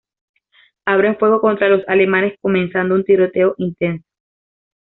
Abren fuego contra los alemanes, comenzando un tiroteo intenso.